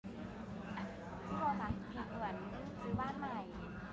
ช่วงจิตของมันอยู่บ้านไหน